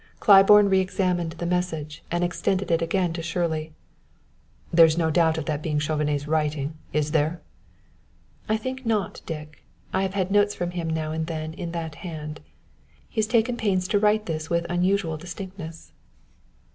Claiborne reexamined the message, and extended it again to Shirley. "There's no doubt of that being Chauvenet's writing, is there?" "I think not, Dick. I have had notes from him now and then in that hand. He has taken pains to write this with unusual distinctness."